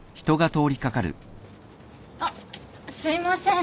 あっすいません。